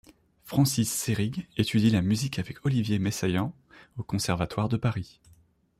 Francis Seyrig étudie la musique avec Olivier Messiaen au Conservatoire de Paris.